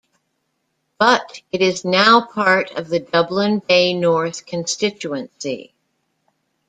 But it is now part of the Dublin Bay North constituency.